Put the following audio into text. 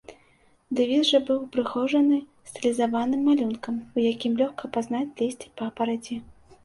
Дэвіз жа быў упрыгожаны стылізаваным малюнкам, у якім лёгка пазнаць лісце папараці.